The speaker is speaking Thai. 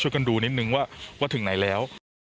กันดูนิดนึงว่าถึงไหนแล้ว